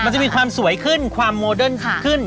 จะมีความสวยขึ้นความโมเดิร์นขึ้น